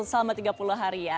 selama tiga puluh hari ya